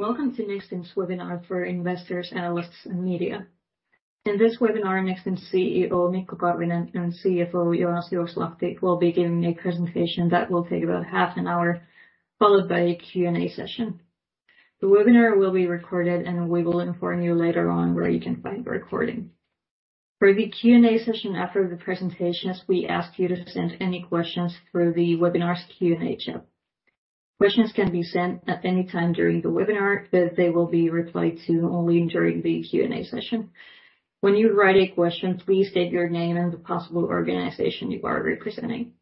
Welcome to Nexstim's webinar for investors, analysts, and media. In this webinar, Nexstim CEO Mikko Karvinen and CFO Joonas Juoksuvaara will be giving a presentation that will take about half an hour, followed by a Q&A session. The webinar will be recorded and we will inform you later on where you can find the recording. For the Q&A session after the presentations, we ask you to send any questions through the webinar's Q&A chat. Questions can be sent at any time during the webinar, but they will be replied to only during the Q&A session. When you write a question, please state your name and the possible organization you are representing.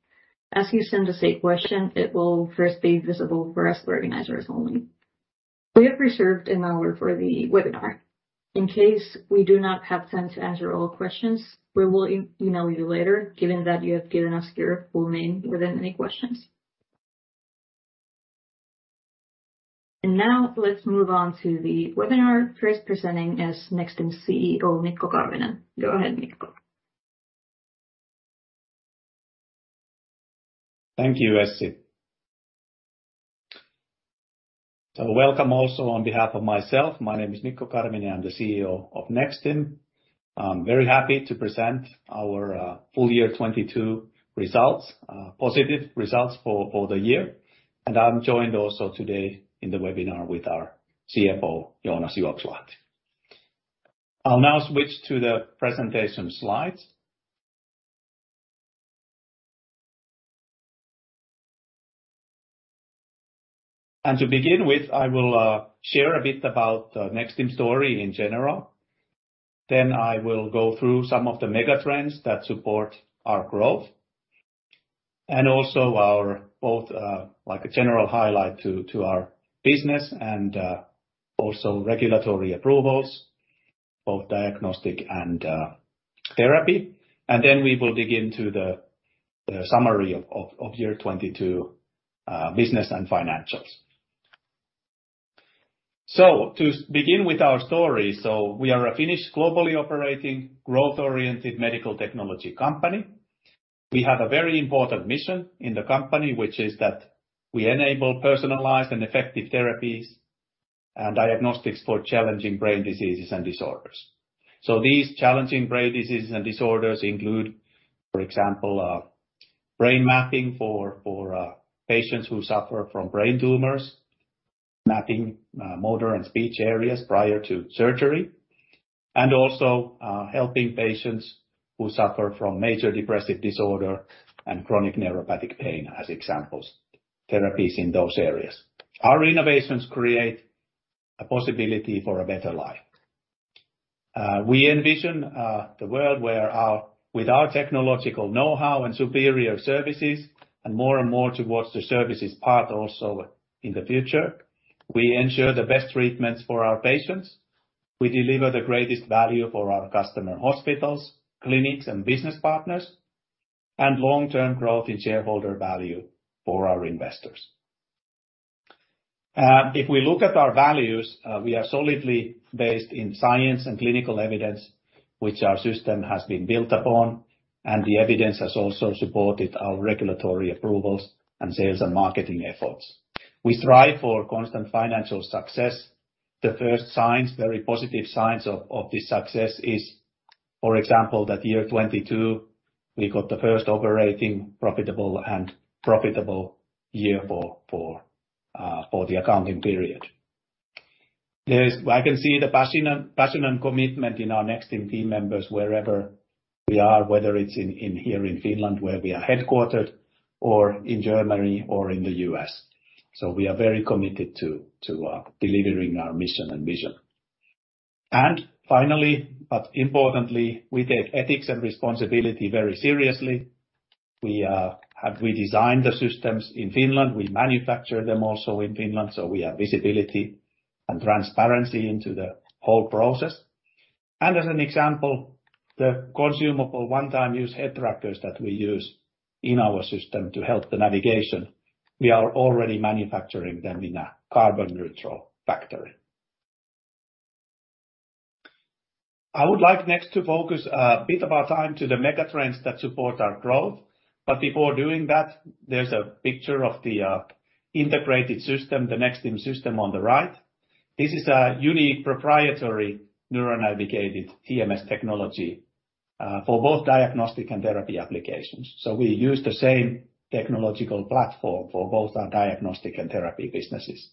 As you send us a question, it will first be visible for us organizers only. We have reserved an hour for the webinar. In case we do not have time to answer all questions, we will e-mail you later, given that you have given us your full name within any questions. Now let's move on to the webinar. First presenting is Nexstim CEO Mikko Karvinen. Go ahead, Mikko. Thank you, Essi. Welcome also on behalf of myself. My name is Mikko Karvinen. I'm the CEO of Nexstim. I'm very happy to present our full-year 2022 results, positive results for the year. I'm joined also today in the webinar with our CFO, Joonas Juoksuvaara. I'll now switch to the presentation slides. To begin with, I will share a bit about Nexstim story in general. I will go through some of the mega trends that support our growth, and also our both like a general highlight to our business and also regulatory approvals, both diagnostic and therapy. We will dig into the summary of year 2022 business and financials. To begin with our story. We are a Finnish globally operating, growth-oriented medical technology company. We have a very important mission in the company, which is that we enable personalized and effective therapies and diagnostics for challenging brain diseases and disorders. These challenging brain diseases and disorders include, for example, brain mapping for patients who suffer from brain tumors, mapping motor and speech areas prior to surgery, and also helping patients who suffer from major depressive disorder and chronic neuropathic pain as examples, therapies in those areas. Our innovations create a possibility for a better life. We envision the world with our technological know-how and superior services and more and more towards the services part also in the future, we ensure the best treatments for our patients. We deliver the greatest value for our customer hospitals, clinics and business partners, and long-term growth in shareholder value for our investors. If we look at our values, we are solidly based in science and clinical evidence, which our system has been built upon, and the evidence has also supported our regulatory approvals and sales and marketing efforts. We strive for constant financial success. The first signs, very positive signs of this success is, for example, that year 2022 we got the first operating profitable and profitable year for the accounting period. I can see the passion and commitment in our Nexstim team members wherever we are, whether it's in here in Finland, where we are headquartered, or in Germany or in the U.S. We are very committed to delivering our mission and vision. Finally, but importantly, we take ethics and responsibility very seriously. We have redesigned the systems in Finland. We manufacture them also in Finland, so we have visibility and transparency into the whole process. As an example, the consumable one-time use head trackers that we use in our system to help the navigation, we are already manufacturing them in a carbon neutral factory. I would like next to focus a bit of our time to the mega trends that support our growth. Before doing that, there's a picture of the integrated system, the Nexstim system on the right. This is a unique proprietary neuronavigated TMS technology for both diagnostic and therapy applications. We use the same technological platform for both our diagnostic and therapy businesses.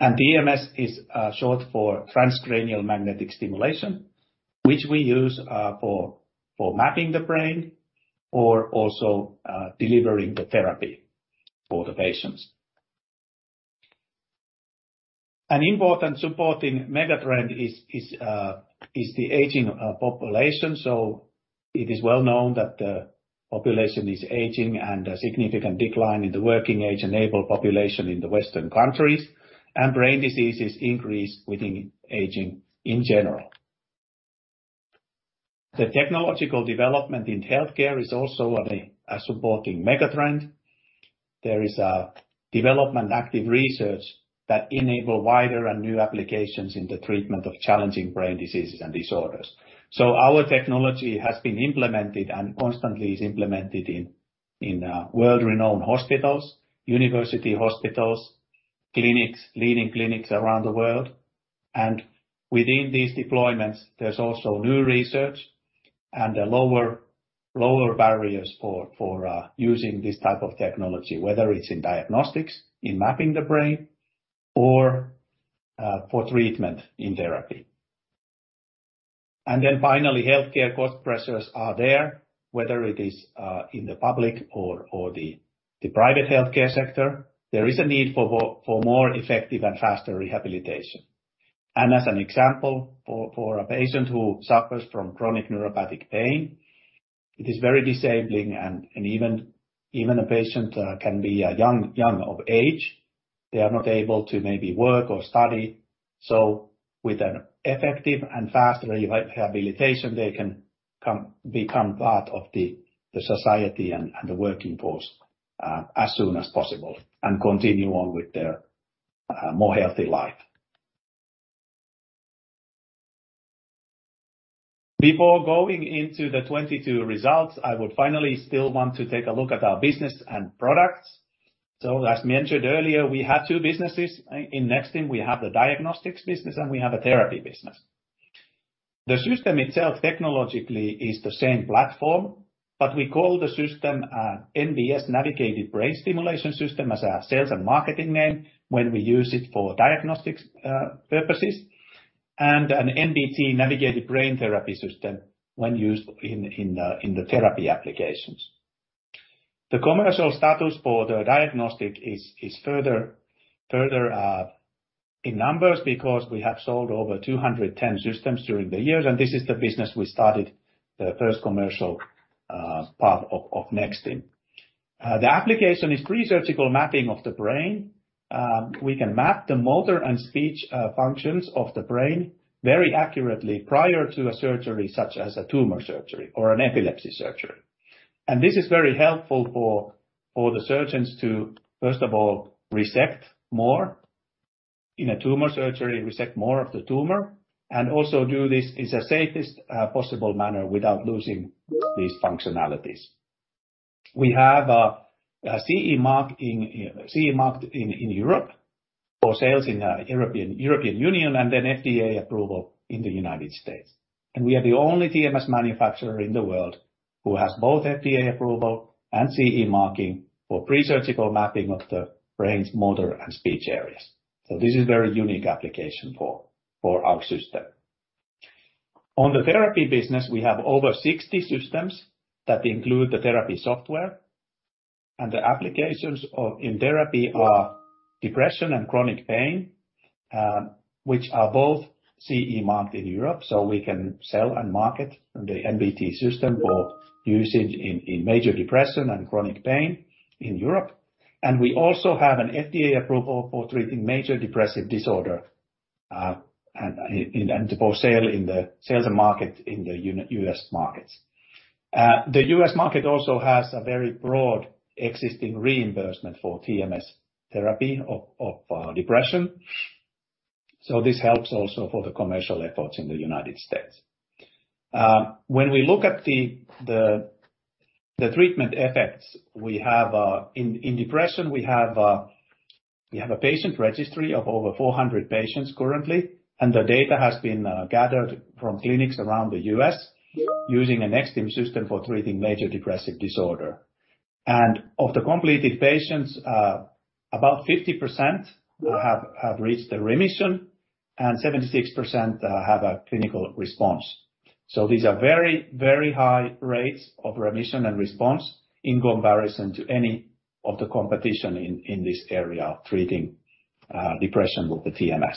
TMS is short for transcranial magnetic stimulation, which we use for mapping the brain or also delivering the therapy for the patients. An important supporting mega trend is the aging population. It is well known that the population is aging and a significant decline in the working age enabled population in the Western countries and brain diseases increase with the aging in general. The technological development in healthcare is also a supporting mega trend. There is a development active research that enable wider and new applications in the treatment of challenging brain diseases and disorders. Our technology has been implemented and constantly is implemented in world-renowned hospitals, university hospitals, clinics, leading clinics around the world. Within these deployments, there's also new research and the lower barriers for using this type of technology, whether it's in diagnostics, in mapping the brain, or for treatment in therapy. Finally, healthcare cost pressures are there, whether it is in the public or the private healthcare sector. There is a need for more effective and faster rehabilitation. As an example for a patient who suffers from chronic neuropathic pain, it is very disabling and even a patient can be young of age, they are not able to maybe work or study. With an effective and faster rehabilitation, they can become part of the society and the working force as soon as possible and continue on with their more healthy life. Before going into the 2022 results, I would finally still want to take a look at our business and products. As mentioned earlier, we have two businesses. In Nexstim, we have the diagnostics business, and we have a therapy business. The system itself, technologically, is the same platform, but we call the system, NBS, Navigated Brain Stimulation System, as our sales and marketing name when we use it for diagnostics purposes, and an NBT, Navigated Brain Therapy system when used in the therapy applications. The commercial status for the diagnostic is further in numbers because we have sold over 210 systems during the years, and this is the business we started the first commercial part of Nexstim. The application is pre-surgical mapping of the brain. We can map the motor and speech functions of the brain very accurately prior to a surgery, such as a tumor surgery or an epilepsy surgery. This is very helpful for the surgeons to, first of all, resect more in a tumor surgery, resect more of the tumor, and also do this in the safest possible manner without losing these functionalities. We have a CE mark CE marked in Europe for sales in European Union, and then FDA approval in the United States. We are the only TMS manufacturer in the world who has both FDA approval and CE marking for pre-surgical mapping of the brain's motor and speech areas. This is very unique application for our system. On the therapy business, we have over 60 systems that include the therapy software. The applications in therapy are depression and chronic pain, which are both CE marked in Europe. We can sell and market the NBT system for usage in major depression and chronic pain in Europe. We also have an FDA approval for treating major depressive disorder and for sale in the sales and market in the US markets. The US market also has a very broad existing reimbursement for TMS therapy of depression. This helps also for the commercial efforts in the United States. When we look at the treatment effects we have in depression, we have a patient registry of over 400 patients currently, and the data has been gathered from clinics around the US using a Nexstim system for treating major depressive disorder. Of the completed patients, about 50% have reached a remission, and 76% have a clinical response. These are very high rates of remission and response in comparison to any of the competition in this area of treating depression with the TMS.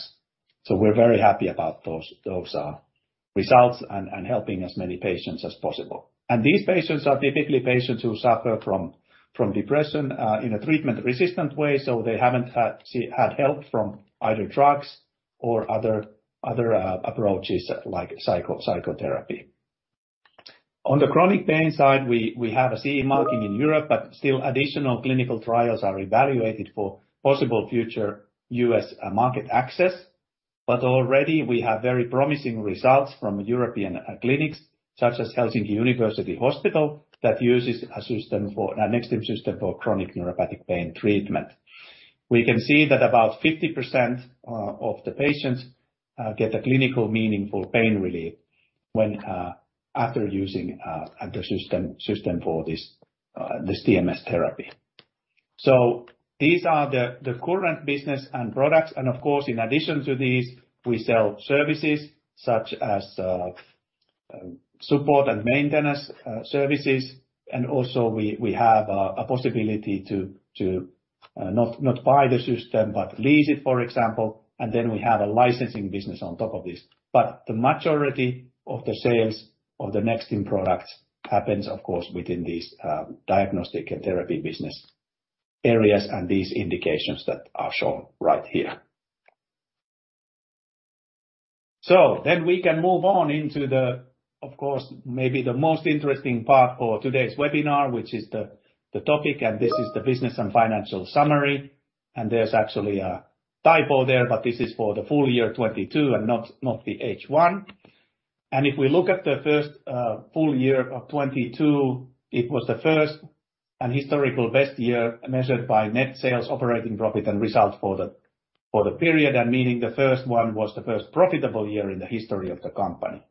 We're very happy about those results and helping as many patients as possible. These patients are typically patients who suffer from depression in a treatment-resistant way. They haven't had help from either drugs or other approaches like psychotherapy. On the chronic pain side, we have a CE marking in Europe, but still additional clinical trials are evaluated for possible future US market access. Already we have very promising results from European clinics, such as Helsinki University Hospital, that uses a Nexstim system for chronic neuropathic pain treatment. We can see that about 50% of the patients get a clinical meaningful pain relief when after using the system for this TMS therapy. These are the current business and products. Of course, in addition to these, we sell services such as support and maintenance services. Also we have a possibility to not buy the system, but lease it, for example. We have a licensing business on top of this. The majority of the sales of the Nexstim products happens, of course, within these diagnostic and therapy business areas and these indications that are shown right here. We can move on into the, of course, maybe the most interesting part for today's webinar, which is the topic, and this is the business and financial summary. There's actually a typo there, but this is for the full-year 2022 and not the H1. If we look at the first full-year of 2022, it was the 1st and historical best year measured by net sales, operating profit, and results for the period, and meaning the 1st one was the 1st profitable year in the history of the company.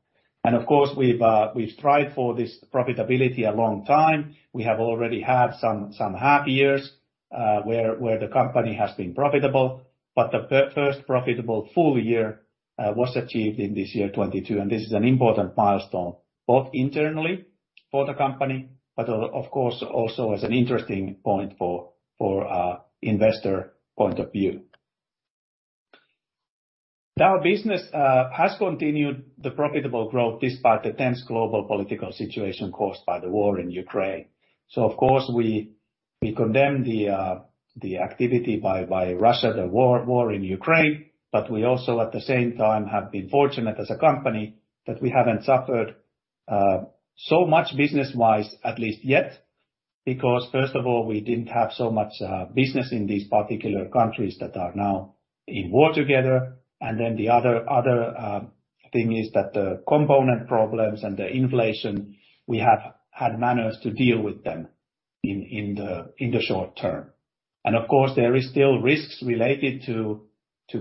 Of course, we've strived for this profitability a long time. We have already had some half years where the company has been profitable. The first profitable full-year was achieved in this year 2022, and this is an important milestone, both internally for the company, but, of course, also as an interesting point for investor point of view. Business has continued the profitable growth despite the tense global political situation caused by the war in Ukraine. Of course, we condemn the activity by Russia, the war in Ukraine, but we also, at the same time, have been fortunate as a company that we haven't suffered so much business-wise at least yet, because first of all, we didn't have so much business in these particular countries that are now in war together. The other thing is that the component problems and the inflation, we have had manners to deal with them in the short-term. Of course, there is still risks related to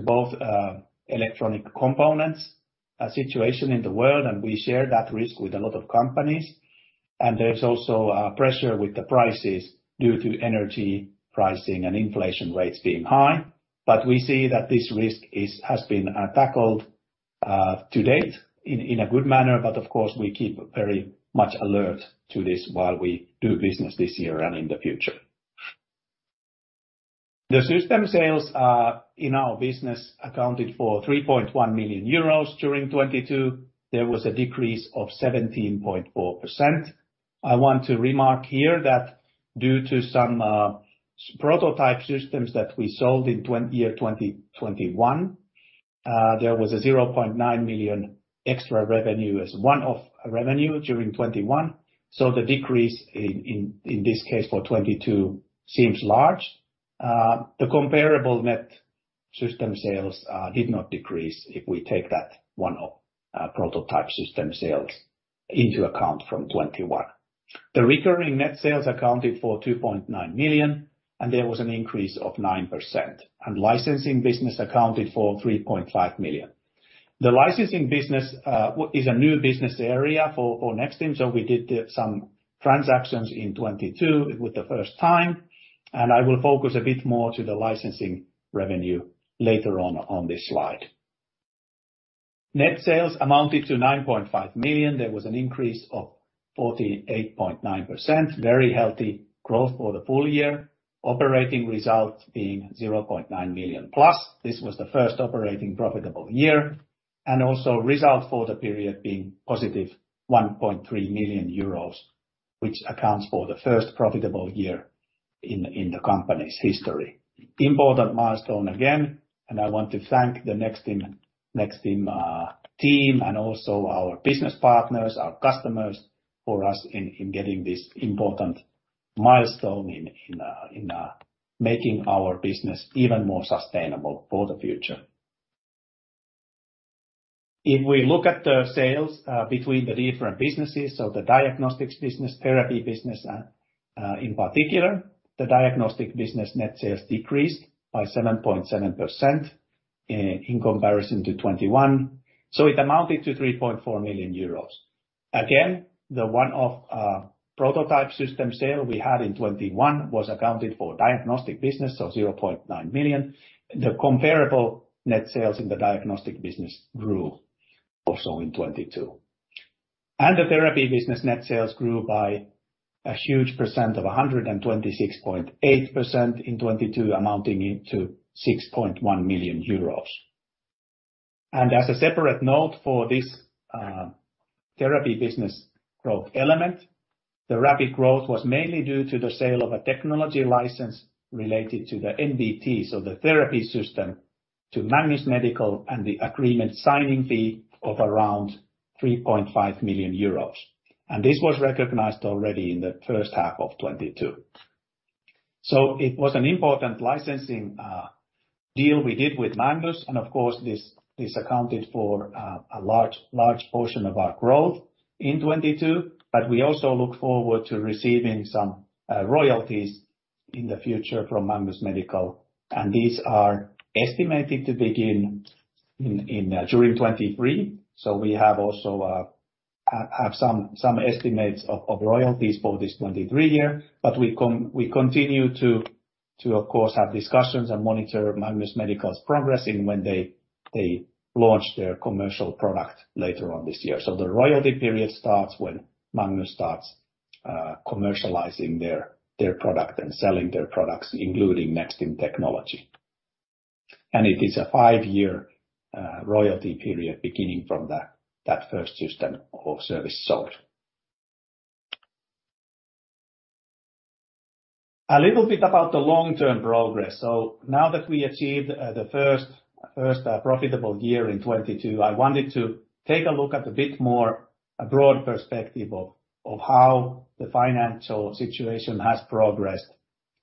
both electronic components situation in the world, and we share that risk with a lot of companies. There's also pressure with the prices due to energy pricing and inflation rates being high. We see that this risk has been tackled to date in a good manner, but of course, we keep very much alert to this while we do business this year and in the future. The system sales in our business accounted for 3.1 million euros during 2022. There was a decrease of 17.4%. I want to remark here that due to some prototype systems that we sold in year 2021, there was a 0.9 million extra revenue as one-off revenue during 2021. The decrease in this case for 2022 seems large. The comparable net system sales did not decrease if we take that one-off prototype system sales into account from 2021. The recurring net sales accounted for 2.9 million, and there was an increase of 9%, and licensing business accounted for 3.5 million. The licensing business is a new business area for Nexstim, we did some transactions in 2022 with the first time, and I will focus a bit more to the licensing revenue later on on this slide. Net sales amounted to 9.5 million. There was an increase of 48.9%. Very healthy growth for the full-year. Operating results being 0.9 million plus. This was the first operating profitable year, and also result for the period being positive 1.3 million euros, which accounts for the first profitable year in the company's history. Important milestone again. I want to thank the Nexstim team and also our business partners, our customers, for us in getting this important milestone in making our business even more sustainable for the future. If we look at the sales between the different businesses, the diagnostics business, therapy business, in particular, the diagnostic business net sales decreased by 7.7% in comparison to 2021. It amounted to 3.4 million euros. The one prototype system sale we had in 2021 was accounted for diagnostic business, so 0.9 million. The comparable net sales in the diagnostic business grew also in 2022. The therapy business net sales grew by a huge percent of 126.8% in 2022 amounting into 6.1 million euros. As a separate note for this therapy business growth element, the rapid growth was mainly due to the sale of a technology license related to the NBT, so the therapy system to Magnus Medical and the agreement signing fee of around 3.5 million euros. This was recognized already in the first half of 2022. It was an important licensing deal we did with Magnus, and of course, this accounted for a large portion of our growth in 2022, but we also look forward to receiving some royalties in the future from Magnus Medical, and these are estimated to begin in during 2023. We have also have some estimates of royalties for this 2023 year. We continue to, of course, have discussions and monitor Magnus Medical's progress in when they launch their commercial product later on this year. The royalty period starts when Magnus starts commercializing their product and selling their products, including Nexstim technology. It is a five-year royalty period beginning from that first system or service sold. A little bit about the long-term progress. Now that we achieved the first profitable year in 2022, I wanted to take a look at a bit more a broad perspective of how the financial situation has progressed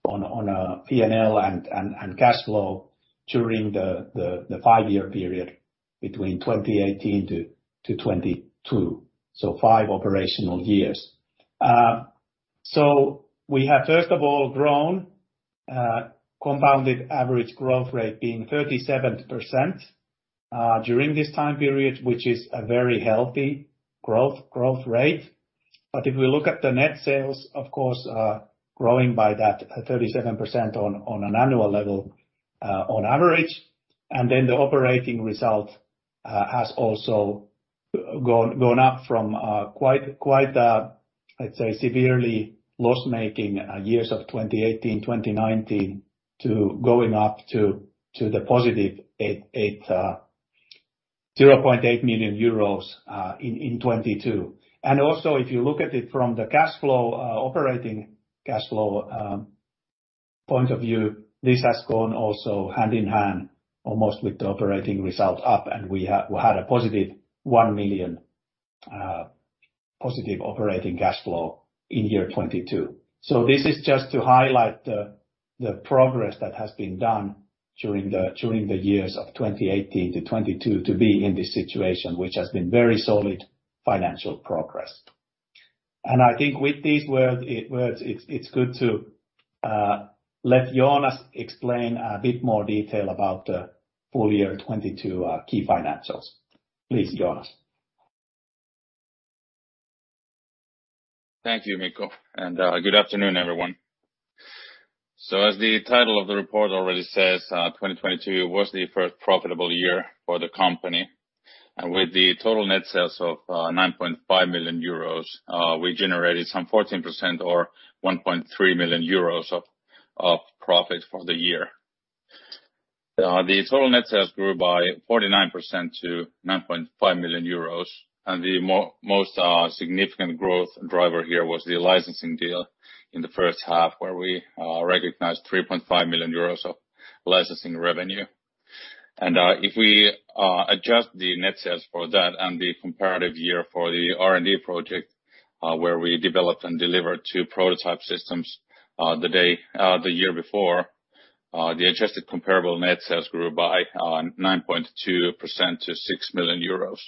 on a PNL and cash flow during the five-year period between 2018 to 2022. Five operational years. We have, first of all, grown, compounded average growth rate being 37% during this time period, which is a very healthy growth rate. If we look at the net sales, of course, growing by that 37% on an annual level, on average, and then the operating result has also gone up from quite, let's say, severely loss-making years of 2018, 2019 to going up to the positive 0.8 million euros in 2022. Also, if you look at it from the cash flow, operating cash flow point of view, this has gone also hand in hand, almost with the operating result up, and we had a positive 1 million positive operating cash flow in year 2022. This is just to highlight the progress that has been done during the years of 2018 to 2022 to be in this situation, which has been very solid financial progress. I think with these words, it's good to let Joonas explain a bit more detail about the full-year 2022 key financials. Please, Joonas. Thank you, Mikko. Good afternoon, everyone. As the title of the report already says, 2022 was the first profitable year for the company. With the total net sales of 9.5 million euros, we generated some 14% or 1.3 million euros of profit for the year. The total net sales grew by 49% to 9.5 million euros, and the most significant growth driver here was the licensing deal in the first half, where we recognized 3.5 million euros of licensing revenue. If we adjust the net sales for that and the comparative year for the R&D project, where we developed and delivered two prototype systems the day the year before, the adjusted comparable net sales grew by 9.2% to 6 million euros.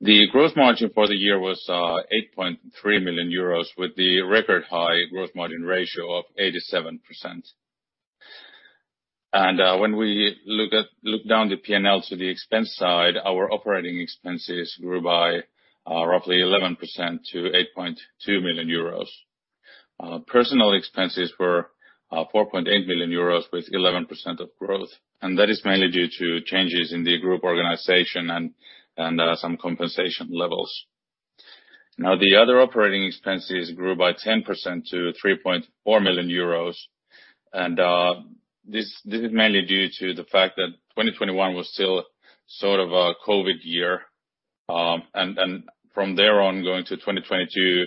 The growth margin for the year was 8.3 million euros, with the record high growth margin ratio of 87%. When we look down the PNL to the expense side, our operating expenses grew by roughly 11% to 8.2 million euros. Personal expenses were 4.8 million euros with 11% of growth, and that is mainly due to changes in the group organization and some compensation levels. Now, the other operating expenses grew by 10% to 3.4 million euros. This is mainly due to the fact that 2021 was still sort of a COVID year. From there on going to 2022,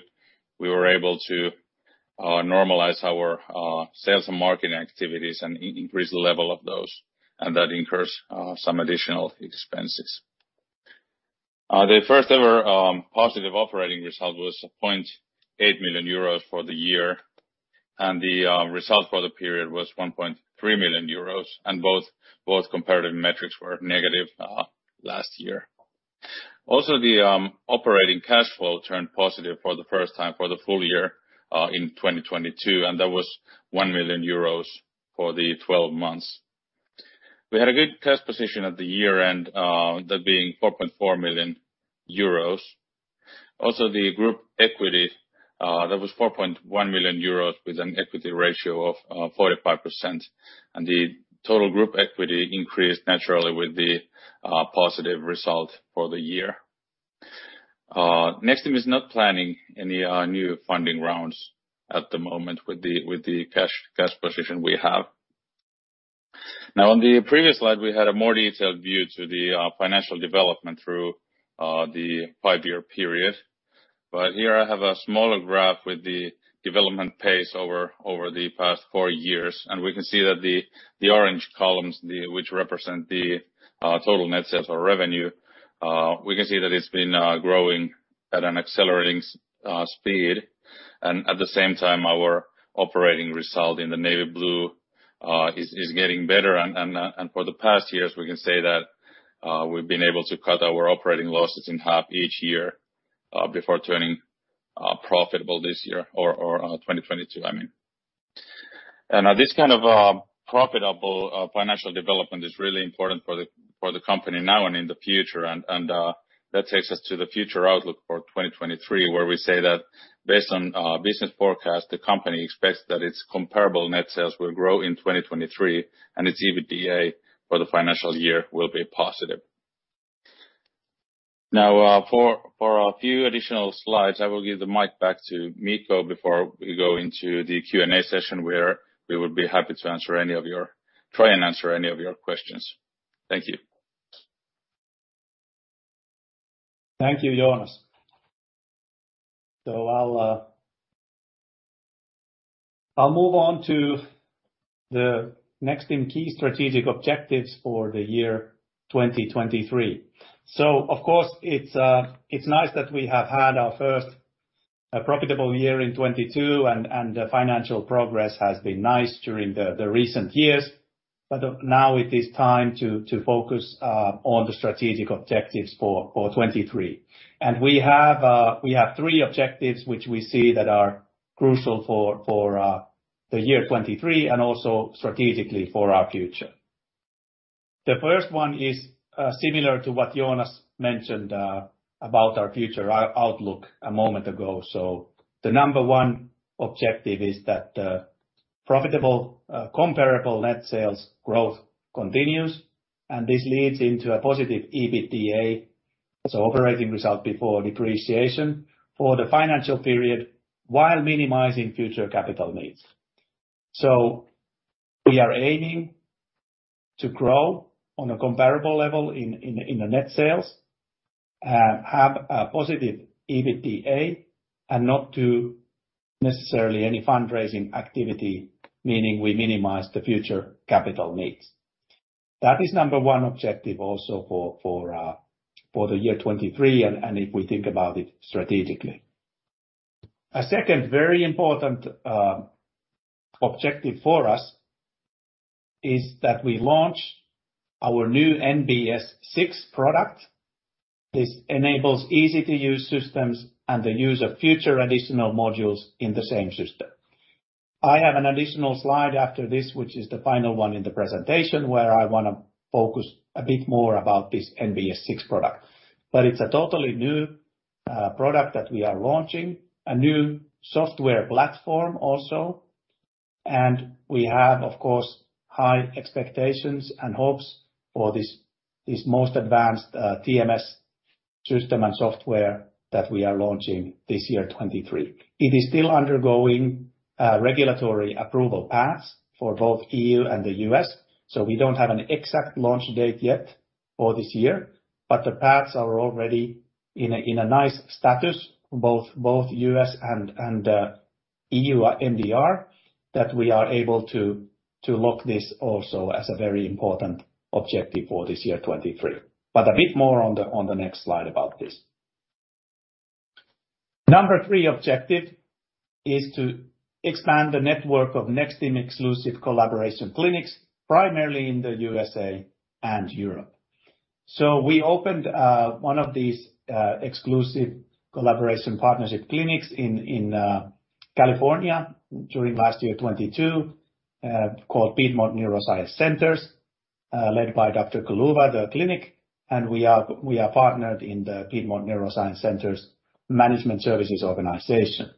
we were able to normalize our sales and marketing activities and increase the level of those, and that incurs some additional expenses. The first ever positive operating result was 0.8 million euros for the year, and the result for the period was 1.3 million euros, and both comparative metrics were negative last year. Also, the operating cash flow turned positive for the first time for the full-year in 2022, and that was 1 million euros for the 12 months. We had a good cash position at the year-end, that being 4.4 million euros. Also, the group equity, that was 4.1 million euros with an equity ratio of 45%, and the total group equity increased naturally with the positive result for the year. Nexstim is not planning any new funding rounds at the moment with the cash position we have. Now, on the previous slide, we had a more detailed view to the financial development through the five-year period. Here I have a smaller graph with the development pace over the past four years. We can see that the orange columns which represent the total net sales or revenue, we can see that it's been growing at an accelerating speed. At the same time, our operating result in the navy blue is getting better. For the past years, we can say that we've been able to cut our operating losses in half each year before turning profitable this year, or 2022, I mean. This kind of profitable financial development is really important for the company now and in the future and that takes us to the future outlook for 2023, where we say that based on business forecast, the company expects that its comparable net sales will grow in 2023, and its EBITDA for the financial year will be positive. Now, for a few additional slides, I will give the mic back to Mikko before we go into the Q&A session, where we would be happy to try and answer any of your questions. Thank you. Thank you, Joonas. I'll move on to The next in key strategic objectives for the year 2023. Of course, it's nice that we have had our first profitable year in 2022 and the financial progress has been nice during the recent years. Now it is time to focus on the strategic objectives for 2023. We have three objectives which we see that are crucial for the year 2023 and also strategically for our future. The first one is similar to what Joonas mentioned about our future outlook a moment ago. The number 1 objective is that profitable comparable net sales growth continues, and this leads into a positive EBITDA, so operating result before depreciation for the financial period, while minimizing future capital needs. We are aiming to grow on a comparable level in, in the net sales, have a positive EBITDA, and not do necessarily any fundraising activity, meaning we minimize the future capital needs. That is number one objective also for the year 2023, and if we think about it strategically. A second very important objective for us is that we launch our new NBS 6 product. This enables easy-to-use systems and the use of future additional modules in the same system. I have an additional slide after this, which is the final one in the presentation, where I wanna focus a bit more about this NBS 6 product. It's a totally new product that we are launching, a new software platform also, and we have, of course, high expectations and hopes for this most advanced TMS system and software that we are launching this year, 2023. It is still undergoing regulatory approval paths for both E.U. and the U.S., so we don't have an exact launch date yet for this year. The paths are already in a nice status, both U.S. and E.U. MDR, that we are able to look this also as a very important objective for this year, 2023. A bit more on the next slide about this. Number three objective is to expand the network of Nexstim exclusive collaboration clinics, primarily in the USA and Europe. We opened one of these exclusive collaboration partnership clinics in California during last year, 2022, called Piedmont Neuroscience Center, led by Dr. Kaluva, the clinic, and we are partnered in the Piedmont Neuroscience Center Management Services organization.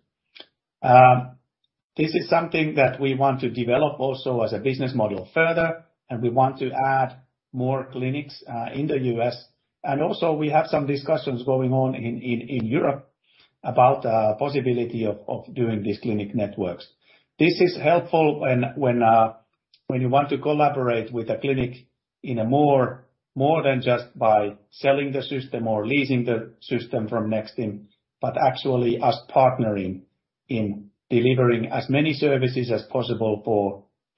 This is something that we want to develop also as a business model further, and we want to add more clinics in the US, and also we have some discussions going on in Europe about the possibility of doing these clinic networks. This is helpful and when you want to collaborate with a clinic in a more than just by selling the system or leasing the system from Nexstim, but actually us partnering in delivering as many services as possible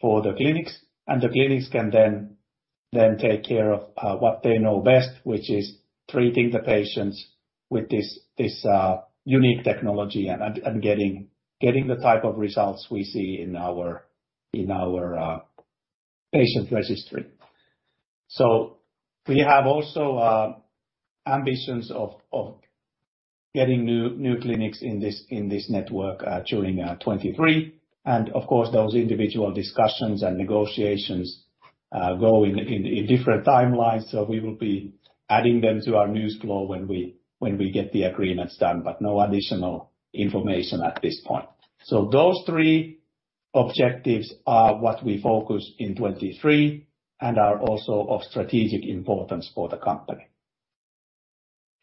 for the clinics, and the clinics can then take care of what they know best, which is treating the patients with this unique technology and getting the type of results we see in our patient registry. We have also ambitions of getting new clinics in this network during 2023, and of course, those individual discussions and negotiations go in different timelines. We will be adding them to our news flow when we get the agreements done, but no additional information at this point. Those three objectives are what we focus in 2023 and are also of strategic importance for the company.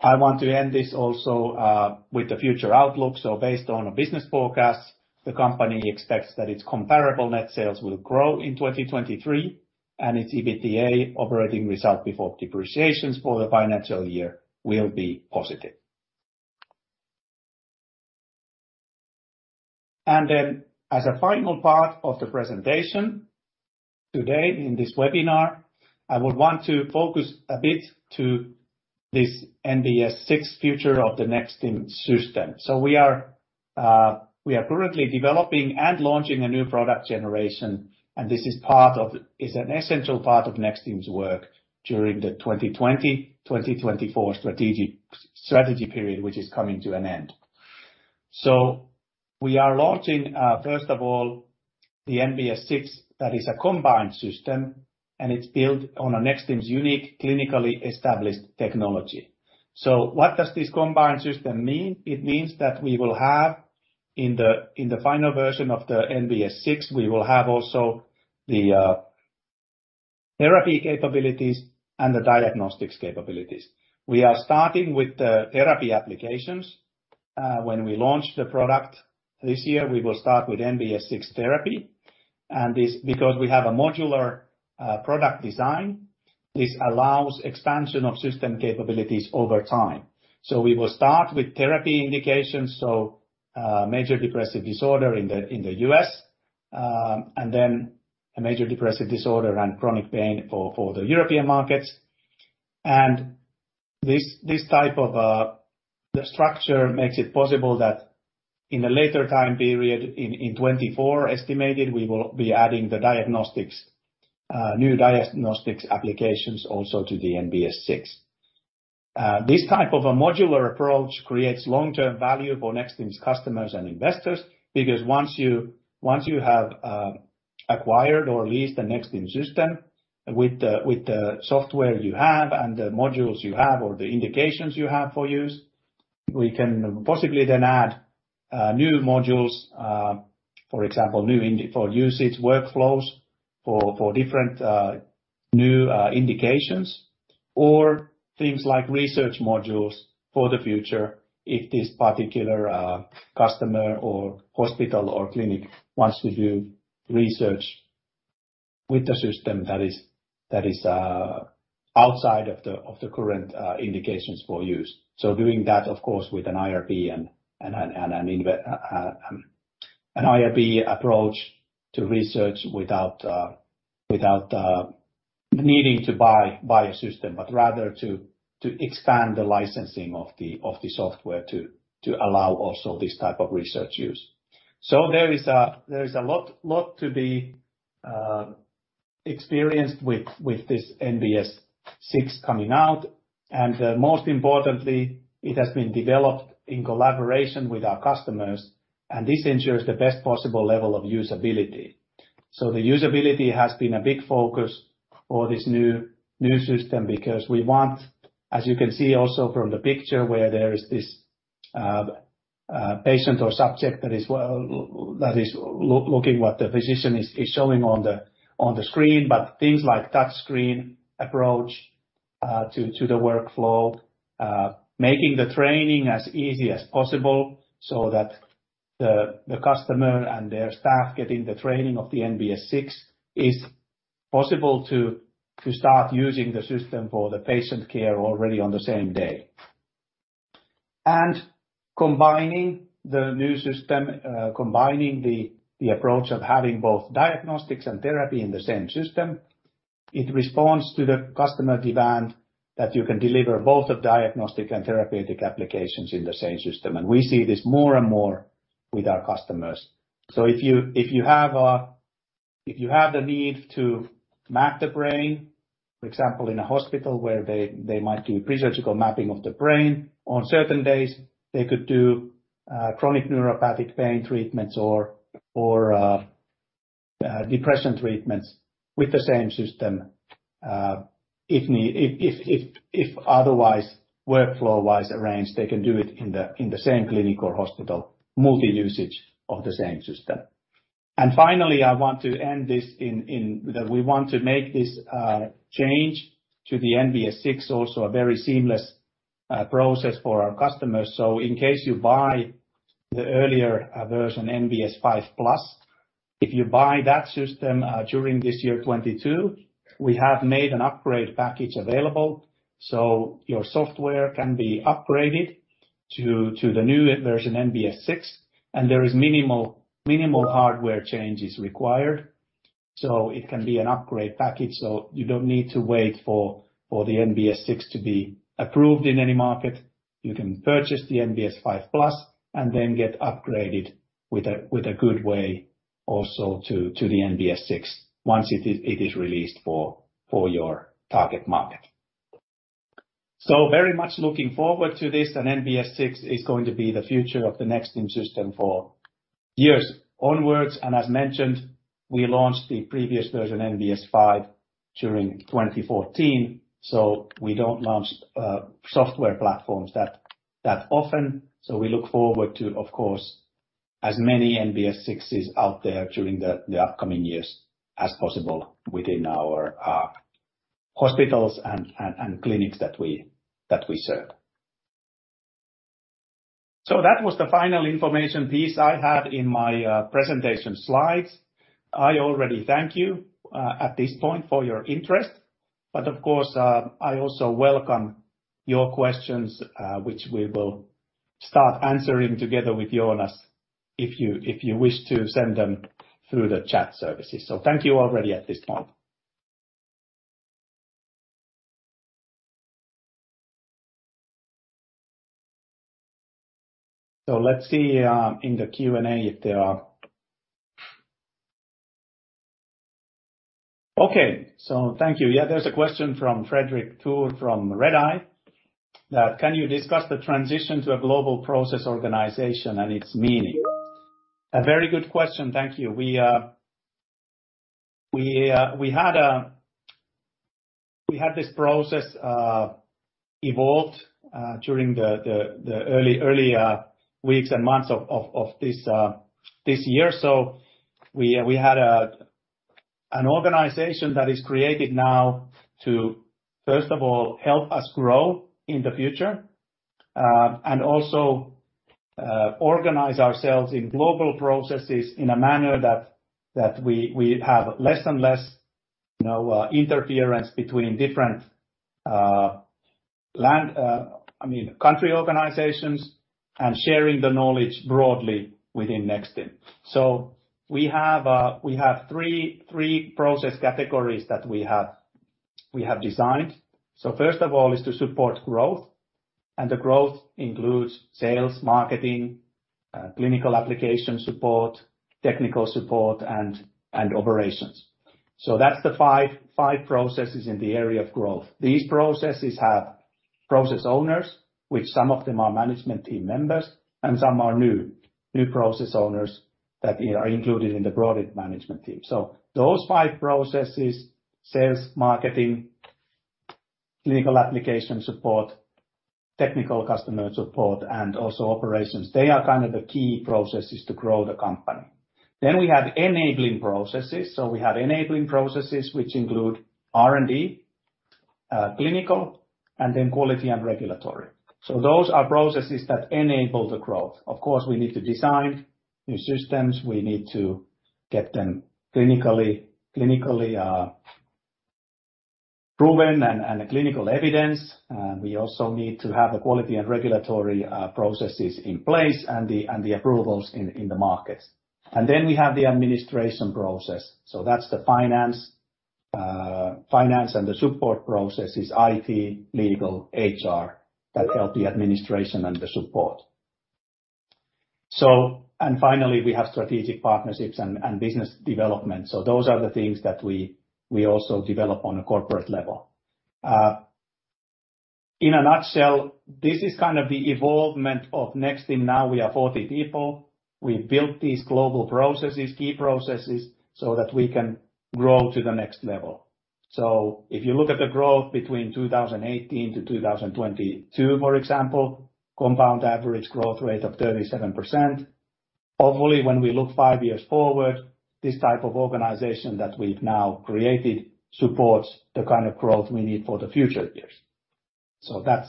I want to end this also with the future outlook. Based on a business forecast, the company expects that its comparable net sales will grow in 2023, and its EBITDA operating result before depreciations for the financial year will be positive. As a final part of the presentation today in this webinar, I would want to focus a bit to this NBS 6 future of the Nexstim system. We are currently developing and launching a new product generation, and this is an essential part of Nexstim's work during the 2020, 2024 strategic strategy period, which is coming to an end. We are launching, first of all, the NBS 6 that is a combined system, and it's built on Nexstim's unique, clinically established technology. What does this combined system mean? It means that we will have in the, in the final version of the NBS 6, we will have also the therapy capabilities and the diagnostics capabilities. We are starting with the therapy applications. When we launch the product this year, we will start with NBS 6 therapy. This, because we have a modular product design. This allows expansion of system capabilities over time. We will start with therapy indications, so, major depressive disorder in the U.S., and then a major depressive disorder and chronic pain for the European markets. This type of the structure makes it possible that in a later time period in 2024 estimated, we will be adding the diagnostics, new diagnostics applications also to the NBS 6. This type of a modular approach creates long-term value for Nexstim's customers and investors because once you have acquired or leased a Nexstim system with the software you have and the modules you have or the indications you have for use, we can possibly then add new modules, for example, new for usage workflows for different, new indications or things like research modules for the future if this particular customer or hospital or clinic wants to do research with the system that is outside of the current indications for use. Doing that, of course, with an IRB and an IRB approach to research without needing to buy a system, but rather to expand the licensing of the software to allow also this type of research use. There is a lot to be experienced with this NBS 6 coming out, and most importantly, it has been developed in collaboration with our customers, and this ensures the best possible level of usability. The usability has been a big focus for this new system because we want, as you can see also from the picture where there is this patient or subject that is looking what the physician is showing on the screen, but things like touch screen approach to the workflow, making the training as easy as possible so that the customer and their staff getting the training of the NBS 6 is possible to start using the system for the patient care already on the same day. Combining the new system, combining the approach of having both diagnostics and therapy in the same system, it responds to the customer demand that you can deliver both the diagnostic and therapeutic applications in the same system. We see this more and more with our customers. If you have the need to map the brain, for example, in a hospital where they might do pre-surgical mapping of the brain, on certain days, they could do chronic neuropathic pain treatments or depression treatments with the same system, if otherwise workflow-wise arranged, they can do it in the same clinic or hospital, multi-usage of the same system. Finally, I want to end this in that we want to make this change to the NBS 6 also a very seamless process for our customers. In case you buy the earlier version NBS 5+, if you buy that system during this year 2022, we have made an upgrade package available. Your software can be upgraded to the new version NBS 6. There is minimal hardware changes required. It can be an upgrade package. You don't need to wait for the NBS 6 to be approved in any market. You can purchase the NBS 5+ and then get upgraded with a good way also to the NBS 6 once it is released for your target market. Very much looking forward to this. NBS 6 is going to be the future of the Nexstim system for years onwards. As mentioned, we launched the previous version NBS 5 during 2014, we don't launch software platforms that often. We look forward to, of course, as many NBS 6s out there during the upcoming years as possible within our hospital and clinics that we serve. That was the final information piece I had in my presentation slides. I already thank you at this point for your interest. Of course, I also welcome your questions, which we will start answering together with Joonas if you wish to send them through the chat services. Thank you already at this point. Let's see in the Q&A if there are. Okay. Thank you. Yeah, there's a question from Fredrik Thor from Redeye. Can you discuss the transition to a global process organization and its meaning? A very good question. Thank you. We had this process evolved during the early weeks and months of this year. We had an organization that is created now to, first of all, help us grow in the future, and also organize ourselves in global processes in a manner that we have less and less, you know, interference between different, land, I mean, country organizations and sharing the knowledge broadly within Nexstim. We have three process categories that we have designed. First of all is to support growth, and the growth includes sales, marketing, clinical application support, technical support and operations. That's the five processes in the area of growth. These processes have process owners, which some of them are management team members, and some are new process owners that are included in the broader management team. Those five processes, sales, marketing, clinical application support, technical customer support, and also operations, they are kind of the key processes to grow the company. We have enabling processes. We have enabling processes which include R&D, clinical, and then quality and regulatory. Those are processes that enable the growth. Of course, we need to design new systems. We need to get them clinically proven and clinical evidence. We also need to have the quality and regulatory processes in place and the approvals in the market. We have the administration process. That's the finance and the support processes, IT, legal, HR, that help the administration and the support. Finally, we have strategic partnerships and business development. Those are the things that we also develop on a corporate level. In a nutshell, this is kind of the evolvement of Nexstim now we are 40 people. We built these global processes, key processes, so that we can grow to the next level. If you look at the growth between 2018 to 2022, for example, compound average growth rate of 37%. Hopefully, when we look five years forward, this type of organization that we've now created supports the kind of growth we need for the future years.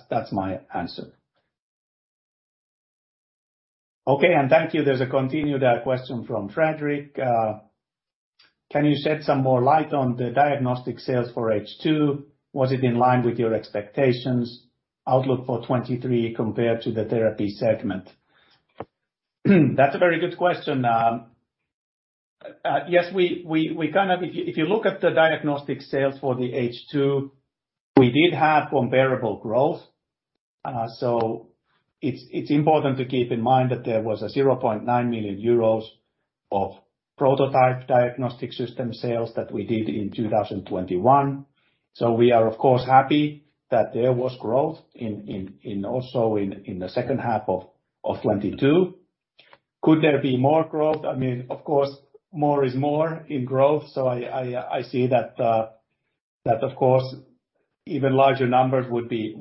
That's my answer. Okay, thank you. There's a continued question from Fredrik. Can you shed some more light on the diagnostic sales for H2? Was it in line with your expectations? Outlook for 2023 compared to the therapy segment? That's a very good question. Yes, we. If you look at the diagnostic sales for the H2, we did have comparable growth. It's important to keep in mind that there was 0.9 million euros of prototype diagnostic system sales that we did in 2021. We are of course, happy that there was growth in also in the second half of 2022. Could there be more growth? I mean, of course, more is more in growth. I see that of course, even larger numbers would be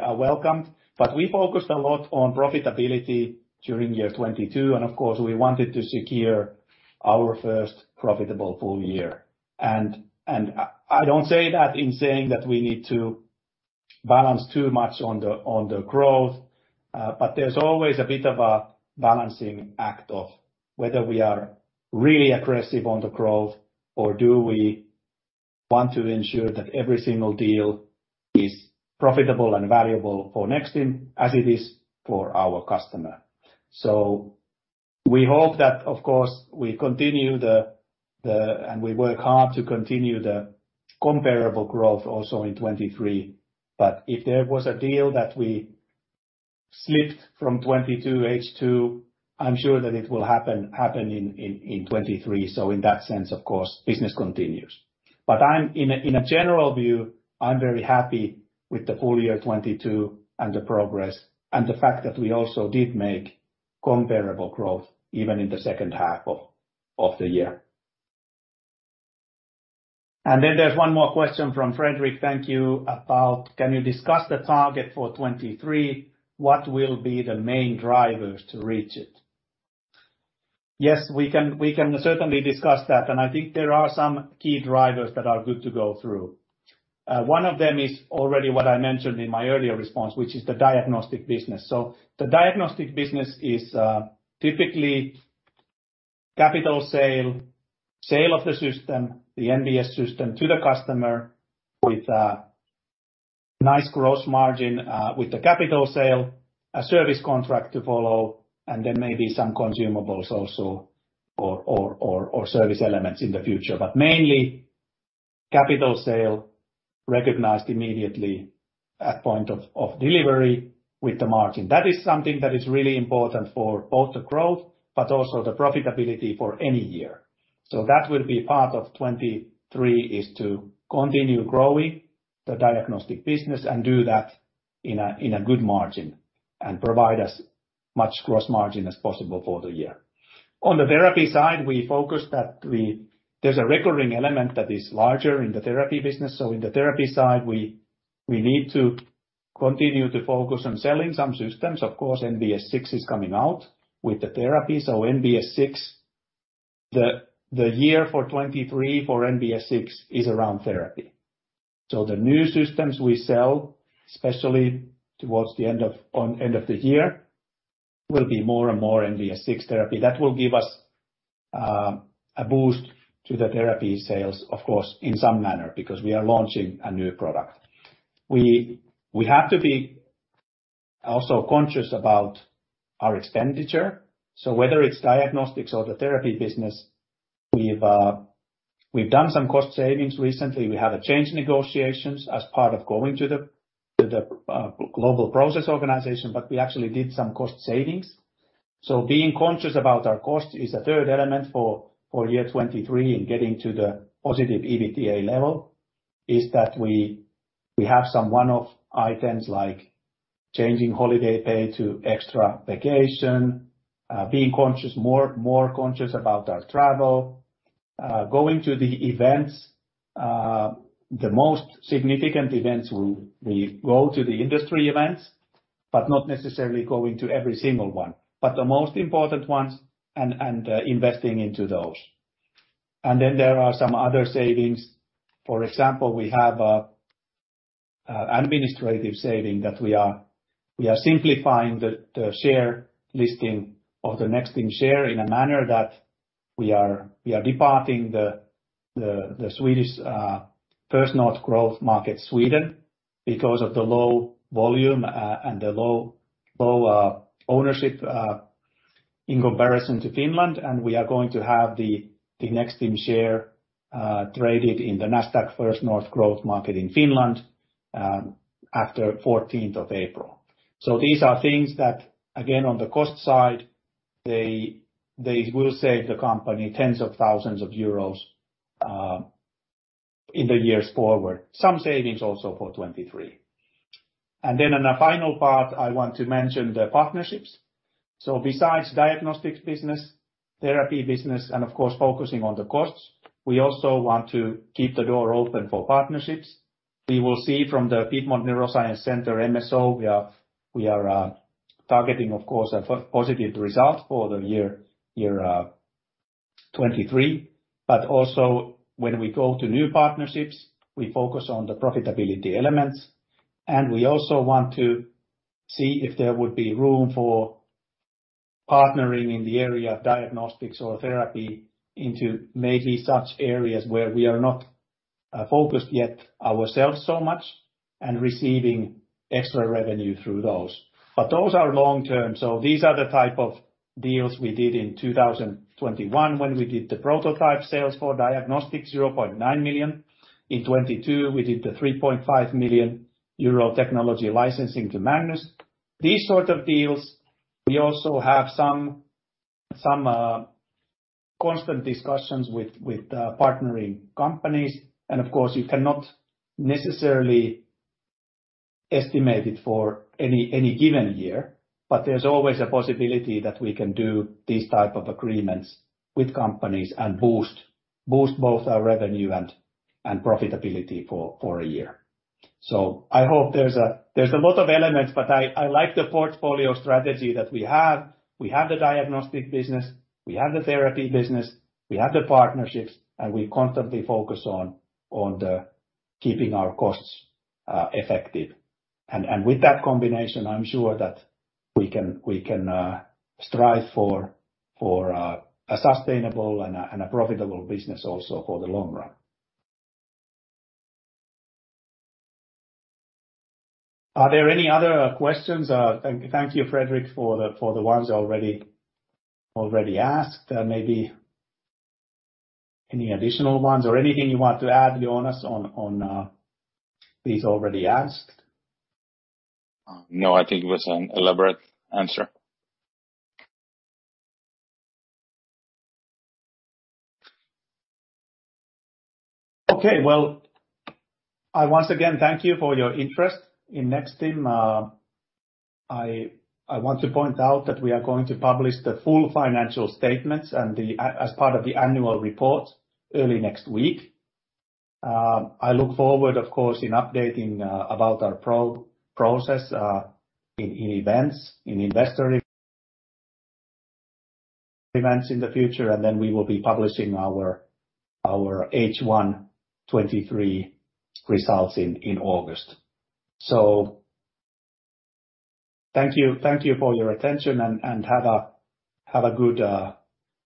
welcomed. We focused a lot on profitability during year 2022, and of course, we wanted to secure our first profitable full-year. I don't say that in saying that we need to balance too much on the, on the growth, but there's always a bit of a balancing act of whether we are really aggressive on the growth or do we want to ensure that every single deal is profitable and valuable for Nexstim as it is for our customer. We hope that, of course, we continue and we work hard to continue the comparable growth also in 2023. If there was a deal that we slipped from 2022 H2, I'm sure that it will happen in 2023. In that sense, of course, business continues. I'm in a, in a general view, I'm very happy with the full-year 2022 and the progress and the fact that we also did make comparable growth even in the second half of the year. There's one more question from Fredrik, thank you, about can you discuss the target for 2023? What will be the main drivers to reach it? Yes, we can certainly discuss that. I think there are some key drivers that are good to go through. One of them is already what I mentioned in my earlier response, which is the diagnostic business. The diagnostic business is typically capital sale of the system, the NBS system, to the customer with a nice gross margin, with the capital sale, a service contract to follow, and then maybe some consumables also or service elements in the future. Mainly capital sale recognized immediately at point of delivery with the margin. That is something that is really important for both the growth, but also the profitability for any year. That will be part of 2023, is to continue growing the diagnostic business and do that in a good margin and provide as much gross margin as possible for the year. On the therapy side, we focus that we. There's a recurring element that is larger in the therapy business. In the therapy side, we need to continue to focus on selling some systems. Of course, NBS 6 is coming out with the therapy. NBS 6. The year for 2023 for NBS 6 is around therapy. The new systems we sell, especially towards the end of the year, will be more and more NBS 6 therapy that will give us a boost to the therapy sales, of course, in some manner because we are launching a new product. We have to be also conscious about our expenditure. Whether it's diagnostics or the therapy business, we've done some cost savings recently. We have a change in negotiations as part of going to the global process organization, but we actually did some cost savings. Being conscious about our cost is a third element for 2023 and getting to the positive EBITDA level is that we have some one-off items like changing holiday pay to extra vacation, being more conscious about our travel, going to the events. The most significant events will be go to the industry events, but not necessarily going to every single one. The most important ones and investing into those. There are some other savings. For example, we have a administrative saving that we are simplifying the share listing of the Nexstim share in a manner that we are departing the Swedish First North Growth Market Sweden because of the low volume and the low ownership in comparison to Finland. We are going to have the Nexstim share traded in the Nasdaq First North Growth Market in Finland after 14th of April. These are things that, again, on the cost side, they will save the company EUR tens of thousands in the years forward. Some savings also for 2023. In the final part, I want to mention the partnerships. Besides diagnostics business, therapy business, and of course, focusing on the costs, we also want to keep the door open for partnerships. We will see from the Piedmont Neuroscience Center MSO, we are targeting, of course, a positive result for the year 2023. Also when we go to new partnerships, we focus on the profitability elements, and we also want to see if there would be room for partnering in the area of diagnostics or therapy into maybe such areas where we are not focused yet ourselves so much and receiving extra revenue through those. Those are long-term, these are the type of deals we did in 2021 when we did the prototype sales for diagnostics, 0.9 million. In 2022, we did the 3.5 million euro technology licensing to Magnus Medical. These sort of deals, we also have some constant discussions with partnering companies. Of course, you cannot necessarily estimate it for any given year. There's always a possibility that we can do these type of agreements with companies and boost both our revenue and profitability for a year. I hope there's a lot of elements, but I like the portfolio strategy that we have. We have the diagnostic business, we have the therapy business, we have the partnerships, and we constantly focus on the keeping our costs effective. With that combination, I'm sure that we can strive for a sustainable and a profitable business also for the long run. Are there any other questions? Thank you, Fredrik, for the ones already asked. Maybe any additional ones or anything you want to add, Joonas, on these already asked? No, I think it was an elaborate answer. Okay. Well, I once again thank you for your interest in Nexstim. I want to point out that we are going to publish the full financial statements and as part of the annual report early next week. I look forward, of course, in updating about our process in events, in investor events, in the future, and then we will be publishing our H1 2023 results in August. Thank you for your attention and have a good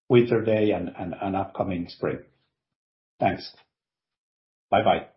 winter day and upcoming spring. Thanks. Bye-bye.